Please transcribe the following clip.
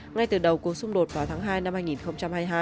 ngay từ đầu cuộc xung đột vào tháng hai năm hai nghìn hai mươi hai